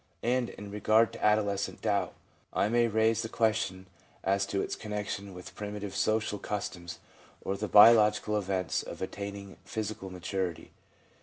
And, in regard to adolescent doubt, I may raise the questi6n as to its connection with primitive social customs or the biological event of attaining physical maturity.